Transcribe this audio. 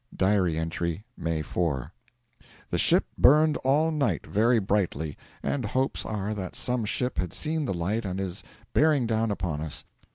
(Diary entry) May 4. The ship burned all night very brightly, and hopes are that some ship has seen the light and is bearing down upon us.